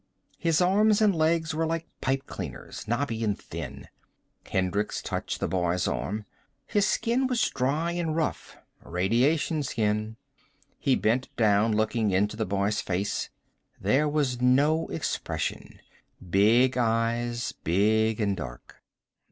His arms and legs were like pipecleaners, knobby, and thin. Hendricks touched the boy's arm. His skin was dry and rough; radiation skin. He bent down, looking into the boy's face. There was no expression. Big eyes, big and dark.